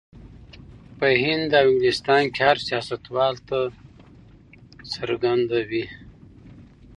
په هند او انګلستان کې هر سیاستوال ته څرګندې وې.